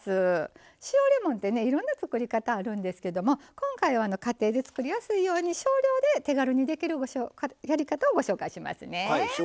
塩レモンって、いろんな作り方あるんですけども今回は、家庭で作りやすいように少量で手軽にできるやり方をご紹介しますね。